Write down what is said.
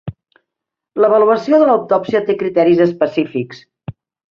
L'avaluació de l'autòpsia té criteris específics.